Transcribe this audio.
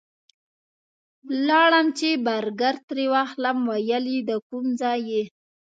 لاړم چې برګر ترې واخلم ویل یې د کوم ځای یې؟